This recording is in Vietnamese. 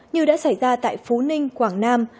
như đã xảy ra tại phú ninh quảng nam